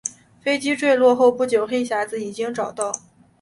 飞机坠毁后不久黑匣子已经找到。